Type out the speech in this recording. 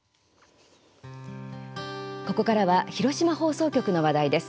ここからは広島放送局の話題です。